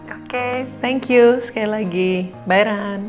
oke thank you sekali lagi bye ran